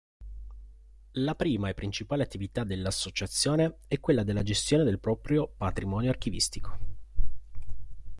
La prima e principale attività dell'associazione è quella della gestione del proprio patrimonio archivistico.